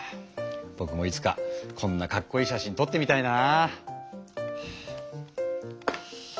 ぼくもいつかこんなかっこいい写真とってみたいな！